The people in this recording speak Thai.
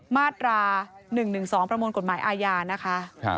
มาตรา๑๑๒ประมวลกฎหมายอาญานะคะ